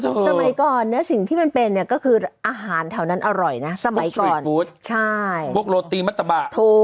สมัยก่อนสิ่งที่มันเป็นเนี่ยก็คืออาหารแถวนั้นอร่อยนะ